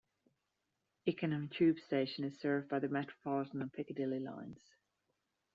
Ickenham tube station is served by the Metropolitan and Piccadilly lines.